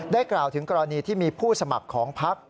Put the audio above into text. กล่าวถึงกรณีที่มีผู้สมัครของพัก